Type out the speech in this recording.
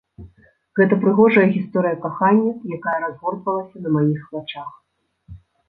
Гэта прыгожая гісторыя кахання, якая разгортвалася на маіх вачах.